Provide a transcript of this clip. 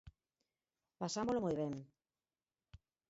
Pasámolo moi ben.